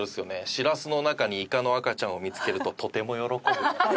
「しらすの中にイカの赤ちゃんを見つけるととても喜ぶ」